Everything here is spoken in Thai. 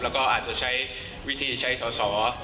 แล้วก็อาจจะใช้วิธีใช้สอสอ